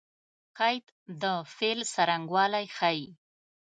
قید د فعل څرنګوالی ښيي.